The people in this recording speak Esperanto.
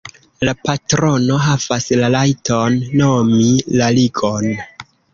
La patrono havas la rajton nomi la ligon.